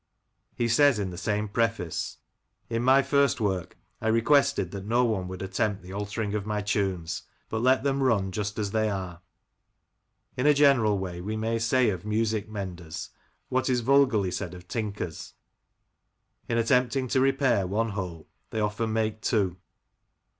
He says in the same preface :—•* In my first work I requested that no one would attempt the altering of my tunes, but let them run just as they are. ... In a general way we may say of music menders what is vulgarly said of tinkers — in attempting to repair one hole they often make two.